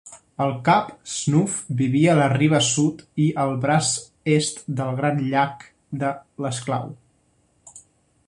El cap Snuff vivia a la riba sud i al braç est del Gran Llac de l'Esclau.